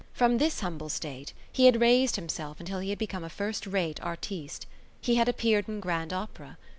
From this humble state he had raised himself until he had become a first rate artiste. He had appeared in grand opera.